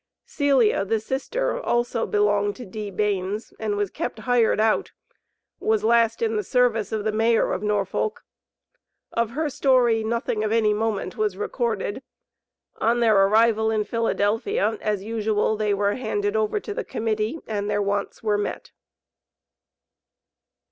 Celia, the sister, also belonged to D. Baines, and was kept hired out was last in the service of the Mayor of Norfolk. Of her story nothing of any moment was recorded. On their arrival in Philadelphia, as usual they were handed over to the Committee, and their wants were met.